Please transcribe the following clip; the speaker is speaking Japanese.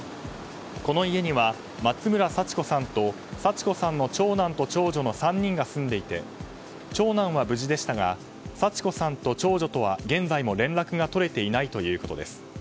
この家には、松村幸子さんと幸子さんの長男と長女の３人が住んでいて長男は無事でしたが幸子さんと長女とは現在も連絡が取れていないということです。